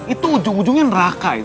itu ujung ujungnya neraka